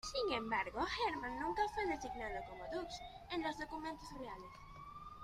Sin embargo, Herman nunca fue designado como "dux" en los documentos reales.